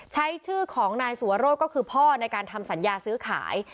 ใช้ชื่อของนายสุวรสก็คือพ่อในการทำสัญญาซื้อขาย